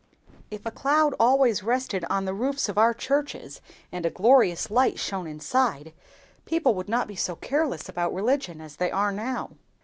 "If a cloud always rested on the roofs of our churches, and a glorious light shone inside, people would not be so careless about religion as they are now."